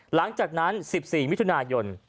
หลังจากนั้น๑๔มิถุนายน